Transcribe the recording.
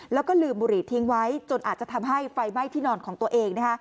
แล้วก็ลืมบุหรี่ทิ้งไว้จนอาจจะทำให้ไฟไหม้ที่นอนของตัวเองนะคะ